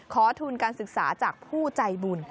ทุนการศึกษาจากผู้ใจบุญ